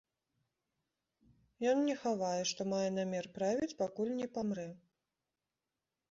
Ён не хавае, што мае намер правіць, пакуль не памрэ.